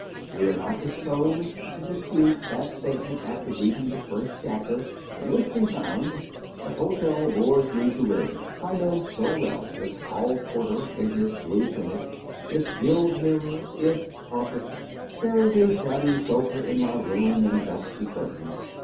We are not disposed to dispute that statement after reading the first chapter, in which we found: "The hotel bores me to weariness. I know so well its hall porter in his blue tunic, its gilt mirrors, its carpets. There is a shabby sofa in my room and dusty curtains.